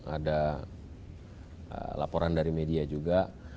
ada laporan dari media juga